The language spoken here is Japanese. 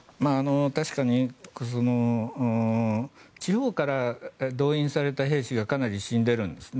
確かに地方から動員された兵士がかなり死んでいるんですね。